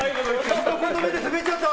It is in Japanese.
ひと言目でスベっちゃった！